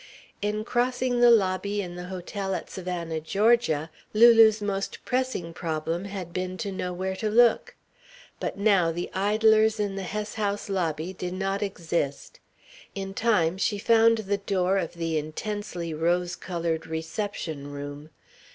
In crossing the lobby in the hotel at Savannah, Georgia, Lulu's most pressing problem had been to know where to look. But now the idlers in the Hess House lobby did not exist. In time she found the door of the intensely rose coloured reception room.